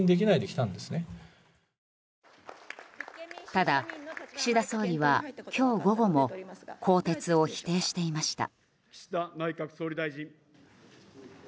ただ、岸田総理は今日午後も更迭を否定していました。